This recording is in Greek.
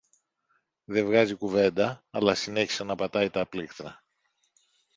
δεν βγάζει κουβέντα αλλά συνέχισε να πατάει τα πλήκτρα